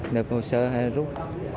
nộp hồ sơ hay là rút